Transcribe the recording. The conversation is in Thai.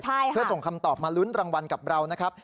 ใช่ค่ะเพื่อส่งคำตอบมาลุ้นรางวัลกับเรานะครับ